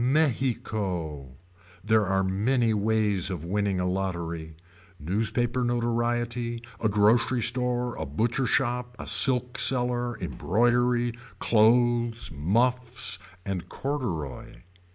Mexico. There are many ways of winning a lottery. Newspaper notoriety. A grocery store. A butcher shop. A silk seller. Embroidery. Clothes. Muffs. And corduroy.